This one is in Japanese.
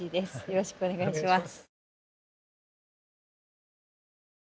よろしくお願いします。